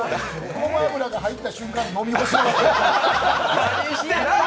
ごま油が入った瞬間に飲み干しました。